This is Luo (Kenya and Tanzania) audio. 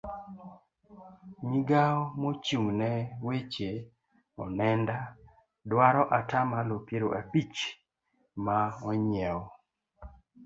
migawo mochung' ne weche onenda dwaro atamalo piero abich ma onyiew